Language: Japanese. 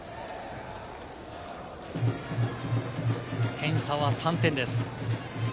点差は３点です。